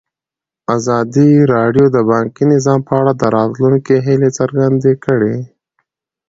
ازادي راډیو د بانکي نظام په اړه د راتلونکي هیلې څرګندې کړې.